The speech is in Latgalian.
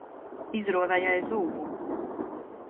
Izruove jai zūbu.